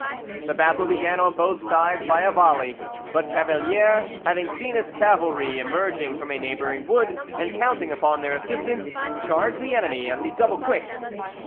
The battle began on both sides by a volley; but Cavalier having seen his cavalry emerging from a neighbouring wood, and counting upon their assistance, charged the enemy at the double quick.